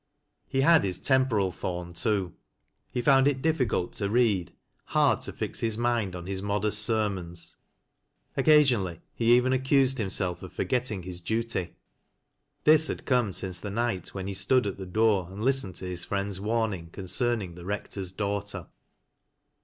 He had his temporal thorn too. He found it difBcull to read, hard to fix his mind on his modest sermons ; oc casionally he even accused himself of forgetting his duty. This had come since the night when he stood at the dooi and listened to his friend's warning concerning the Rec tor's daughter.